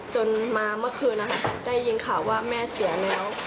จนมาเมื่อคืนนะคะได้ยินข่าวว่าแม่เสียแล้ว